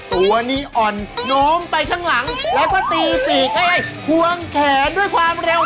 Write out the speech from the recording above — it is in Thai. ตัวนี้อ่อนโน้มไปข้างหลังแล้วก็ตีปีกควงแขนด้วยความเร็ว